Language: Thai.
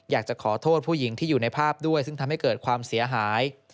อยากจะขอโทษผู้หญิงที่อยู่ในภาพด้วยซึ่งทำให้เกิดความเสียหาย